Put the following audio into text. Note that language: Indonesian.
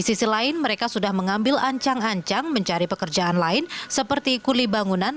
di sisi lain mereka sudah mengambil ancang ancang mencari pekerjaan lain seperti kuli bangunan